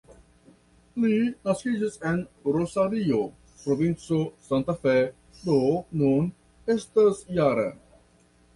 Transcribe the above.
Li naskiĝis en Rosario, provinco Santa Fe, do nun estas -jara.